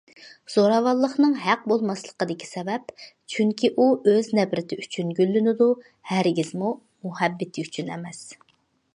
زوراۋانلىقنىڭ ھەق بولماسلىقىدىكى سەۋەب، چۈنكى ئۇ ئۆز نەپرىتى ئۈچۈن گۈللىنىدۇ ھەرگىزمۇ مۇھەببىتى ئۈچۈن ئەمەس.